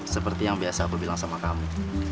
seperti yang biasa aku bilang sama kami